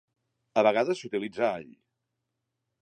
A vegades s'utilitza all.